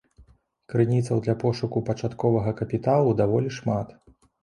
Крыніцаў для пошуку пачатковага капіталу даволі шмат.